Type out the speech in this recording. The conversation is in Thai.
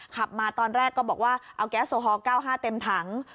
ขับมาตอนแรกก็บอกว่าเอาแก๊สโอฮอล๙๕เต็มถัง